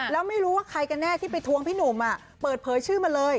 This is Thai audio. แล้วไม่รู้ว่าใครกันแน่ที่ไปทวงพี่หนุ่มเปิดเผยชื่อมาเลย